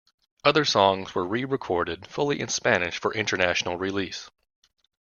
Other songs were re-recorded fully in Spanish for international release.